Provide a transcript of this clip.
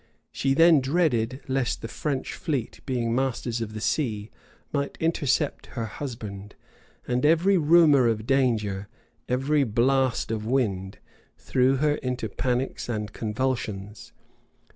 [] She then dreaded lest the French fleet, being masters of the sea, might intercept her husband; and every rumor of danger, every blast of wind, threw her into panics and convulsions.